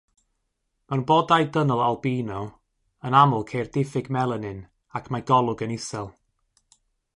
Mewn bodau dynol albino, yn aml ceir diffyg melanin ac mae golwg yn isel.